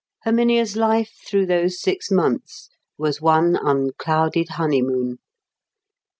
Herminia's life through those six months was one unclouded honeymoon.